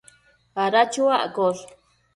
ada chuaccosh